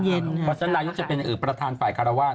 เพราะฉะนั้นนายกจะเป็นประธานฝ่ายคารวาส